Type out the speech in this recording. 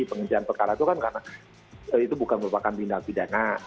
penghentian perkara itu kan karena itu bukan merupakan tindak pidana